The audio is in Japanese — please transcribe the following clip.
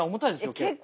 結構。